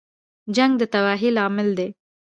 جنګ د تباهۍ لامل دی